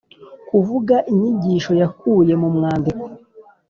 Kuvuga inyigisho yakuye mu mwandiko